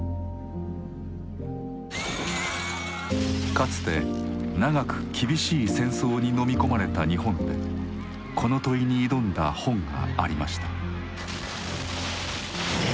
かつて長く厳しい戦争にのみ込まれた日本でこの問いに挑んだ本がありました。